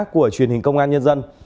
của truyền hình công an nhân dân